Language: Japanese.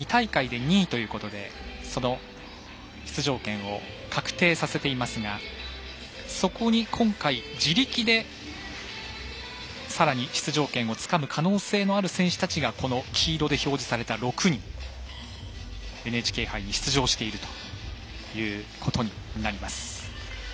すでに日本の三浦佳生が２大会で２位ということで出場権を確定させていますがそこに今回、自力でさらに出場権をつかむ可能性のある選手たちが黄色で表示された６人ＮＨＫ杯に出場しているということになります。